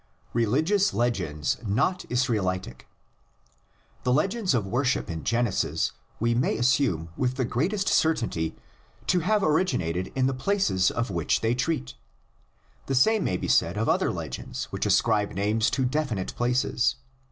RELIGIOUS LEGENDS NOT ISRAELITIC. The legends of worship in Genesis we may assume with the greatest certainty to have originated in the places of which they treat. The same may be said of other legends which ascribe names to definite places.